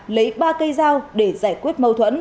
lấy ba cây dao để giải quyết mâu thuẫn